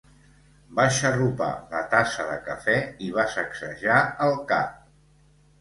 Va xarrupar la tassa de cafè i va sacsejar el cap.